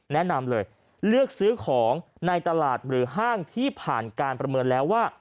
แนะนำเลยเลือกซื้อของในตลาดหรือห้างที่ผ่านการประเมินแล้วว่า